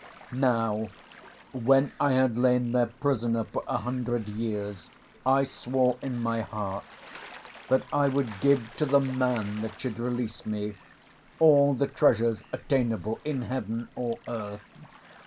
] "Now when I had lain there prisoner for a hundred years, I swore in my heart that I would give to the man that should release me all the treasures attainable in heaven or earth.